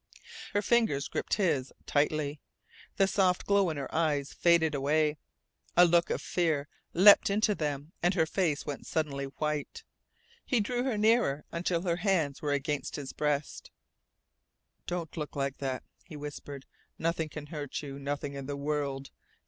Her fingers gripped his tightly. The soft glow in her eyes faded away. A look of fear leapt into them and her face went suddenly white. He drew her nearer, until her hands were against his breast. "Don't look like that," he whispered. "Nothing can hurt you. Nothing in the world.